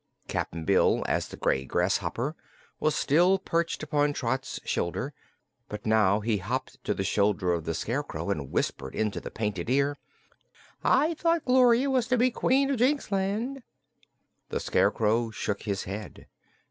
Cap'n Bill, as the gray grasshopper, was still perched upon Trot's shoulder, but now he hopped to the shoulder of the Scarecrow and whispered into the painted ear: "I thought Gloria was to be Queen of Jinxland." The Scarecrow shook his head.